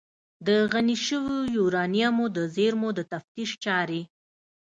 د غني شویو یورانیمو د زیرمو د تفتیش چارې